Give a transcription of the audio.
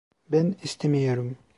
Ben istemiyorum.